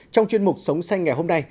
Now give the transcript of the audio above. trong chuyên mục sống xanh ngày hôm nay